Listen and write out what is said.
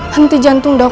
henti jantung dok